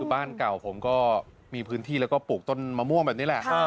บ้านเก่าผมก็มีพื้นที่แล้วก็ปลูกต้นมะม่วงแบบนี้แหละ